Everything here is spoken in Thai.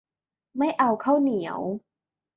ไม่เอาข้าวเหนียว